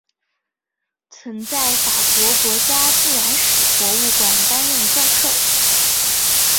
曾在法国国家自然史博物馆担任教授。